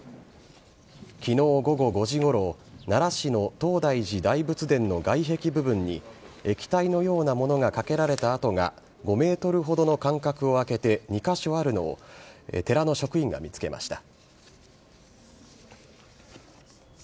昨日午後５時ごろ奈良市の東大寺大仏殿の外壁部分に液体のようなものがかけられた跡が５ｍほどの間隔をあけて２カ所あるのを寺の職員が見つけました。